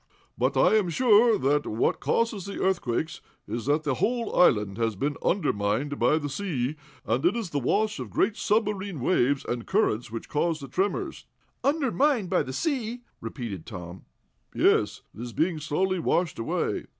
But I am sure that what causes the earthquakes is that the whole island has been undermined by the sea, and it is the wash of great submarine waves and currents which cause the tremors." "Undermined by the sea?" repeated Tom. "Yes. It is being slowly washed away."